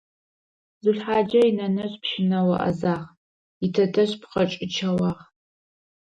Зулхъаджэ инэнэжъ пщынэо Ӏэзагъ, итэтэжъ пхъэкӀычэуагъ.